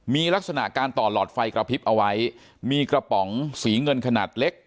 มีลักษณะการต่อหลอดไฟกระพริบเอาไว้มีกระป๋องสีเงินขนาดเล็ก